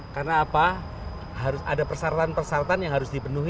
karena apa ada persyaratan persyaratan yang harus dipenuhi